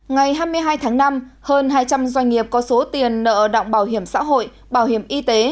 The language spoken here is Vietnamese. ngày hai mươi hai tháng năm hơn hai trăm linh doanh nghiệp có số tiền nợ động bảo hiểm xã hội bảo hiểm y tế